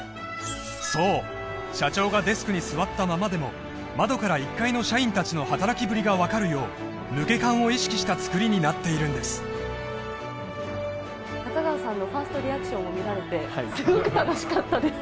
そう社長がデスクに座ったままでも窓から１階の社員達の働きぶりが分かるよう抜け感を意識したつくりになっているんです中川さんのファーストリアクションも見られてすごく楽しかったです